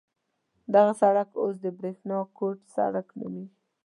دغه سړک اوس د برېښنا کوټ سړک نومېږي.